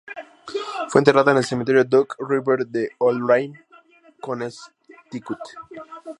Fue enterrada en el Cementerio Duck River de Old Lyme, Connecticut.